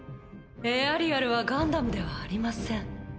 エアリアルはガンダムではありません。